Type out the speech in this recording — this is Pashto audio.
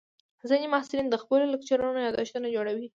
ځینې محصلین د خپلو لیکچرونو یادښتونه جوړوي.